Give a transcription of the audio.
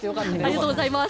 ありがとうございます。